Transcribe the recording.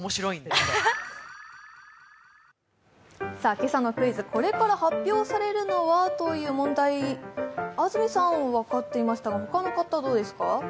今朝のクイズ、これから発表されるのはという問題、安住さん分かっていましたが、ほかの方どうですか。